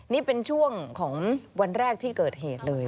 นี่เป็นช่วงของวันแรกที่เกิดเหตุเลย